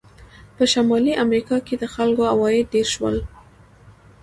په شمالي امریکا کې د خلکو عواید ډېر شول.